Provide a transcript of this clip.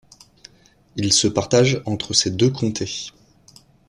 Il se partage entre ses deux comtés.